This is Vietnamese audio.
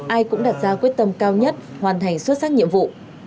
ai cũng đặt ra quyết tâm cao nhất hoàn thành xuất sắc nhiệm vụ